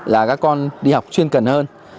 là các con đi học chuyên cần hơn